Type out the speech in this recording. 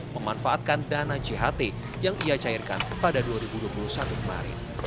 memanfaatkan dana jht yang ia cairkan pada dua ribu dua puluh satu kemarin